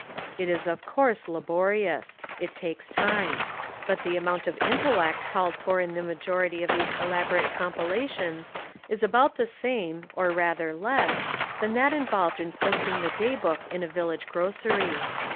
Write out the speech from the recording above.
It is of course laborious. It takes time. But the amount of intellect called for in the majority of these elaborate compilations is about the same, or rather less, than that involved in post ing the day book in a village grocery.